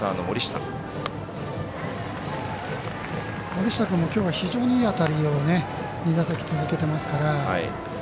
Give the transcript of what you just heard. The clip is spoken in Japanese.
森下君もきょうは非常にいい当たりを２打席、続けていますから。